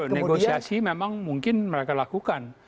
negosiasi memang mungkin mereka lakukan